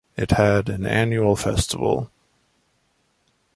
It had an annual festival.